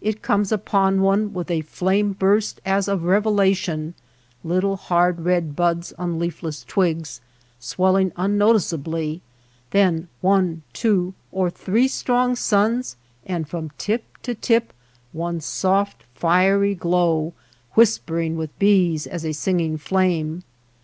It comes upon one with a flame burst as of revela tion ; little hard red buds on leafless twigs, swelling unnoticeably, then one, two, or three strong suns, and from tip to tip one soft fiery glow, whispering with bees as a singing flame.